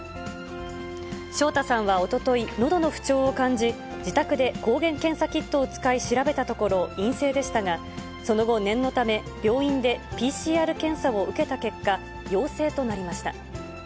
昇太さんはおととい、のどの不調を感じ、自宅で抗原検査キットを使い、調べたところ、陰性でしたが、その後、念のため病院でＰＣＲ検査を受けた結果、陽性となりました。